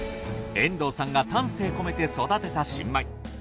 遠藤さんが丹精込めて育てた新米。